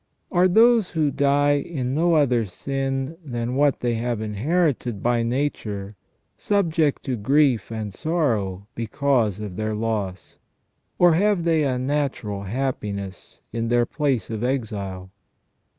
Are those who die in no other sin than what they have inherited by nature subject to grief and sorrow because of their loss ? Or have they a natural happiness in their place of exile